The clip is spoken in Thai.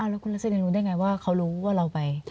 แล้วคุณลักษณะยังรู้ได้ไงว่าเขารู้ว่าเราไป